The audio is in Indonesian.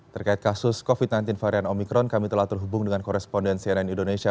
terkait kasus covid sembilan belas varian omikron kami telah terhubung dengan koresponden cnn indonesia